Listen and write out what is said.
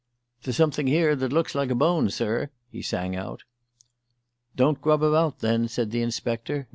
"There's something here that looks like a bone, sir," he sang out. "Don't grub about, then," said the inspector.